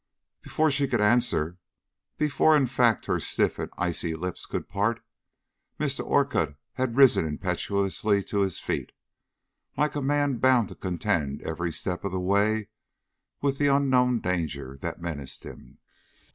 Before she could answer, before in fact her stiff and icy lips could part, Mr. Orcutt had risen impetuously to his feet, like a man bound to contend every step of the way with the unknown danger that menaced him.